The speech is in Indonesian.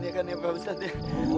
dia tau asan nasi